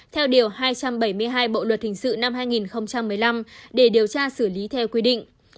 theo điều hai trăm bảy mươi hai bộ luật hình sự năm hai nghìn một mươi năm để điều tra xử lý theo quy định